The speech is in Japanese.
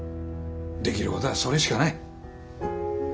できることはそれしかない。